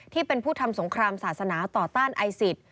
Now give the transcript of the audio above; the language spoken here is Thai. ที่เป็นผู้ทำสงครามศาสนาต่อต้านไอศิษย์